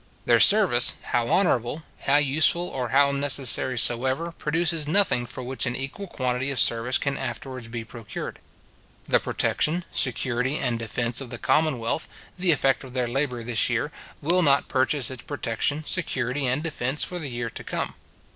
Their service, how honourable, how useful, or how necessary soever, produces nothing for which an equal quantity of service can afterwards be procured. The protection, security, and defence, of the commonwealth, the effect of their labour this year, will not purchase its protection, security, and defence, for the year to come.